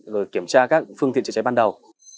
rồi kiểm tra các phương tiện chữa cháy ban đầu